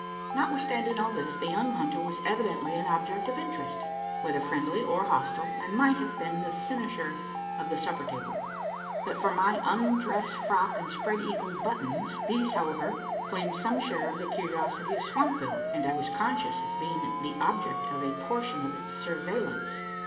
Notwithstanding all this, the young hunter was evidently an object of interest whether friendly or hostile and might have been the cynosure of the supper table, but for my undress frock and spread eagle buttons. These, however, claimed some share of the curiosity of Swampville; and I was conscious of being the object of a portion of its surveillance.